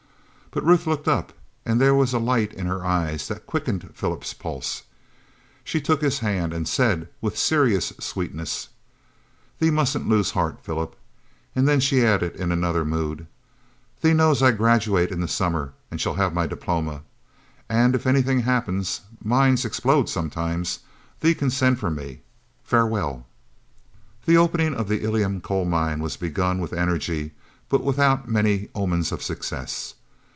But Ruth looked up, and there was a light in her eyes that quickened Phil's pulse. She took his hand, and said with serious sweetness: "Thee mustn't lose heart, Philip." And then she added, in another mood, "Thee knows I graduate in the summer and shall have my diploma. And if any thing happens mines explode sometimes thee can send for me. Farewell." The opening of the Ilium coal mine was begun with energy, but without many omens of success.